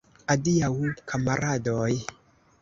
Adiaŭ, kamaradoj!